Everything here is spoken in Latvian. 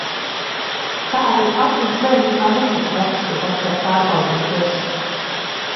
Tā arī papiņš bērnībā netika vests pie daktera pārbaudīties.